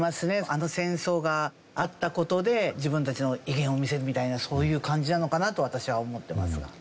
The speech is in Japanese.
あの戦争があった事で自分たちの威厳を見せるみたいなそういう感じなのかなと私は思ってますが。